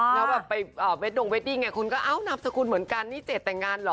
แล้วไปดงเวดดิงคุณก็เอ้านับสกุลเหมือนกันนี่เจดแต่งงานเหรอ